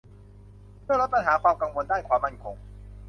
เพื่อลดปัญหาความกังวลด้านความมั่นคง